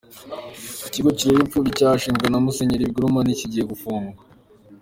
Ikigo kirera impfubyi cyashinzwe na Musenyeri Bigirumwami kigiye gufungwa